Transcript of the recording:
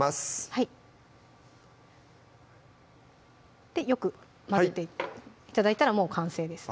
はいよく混ぜて頂いたらもう完成です